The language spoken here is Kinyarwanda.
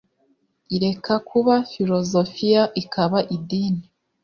ireka kuba filozofiya ikaba idini